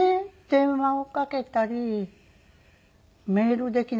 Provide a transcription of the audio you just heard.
電話をかけたりメールできないからね私。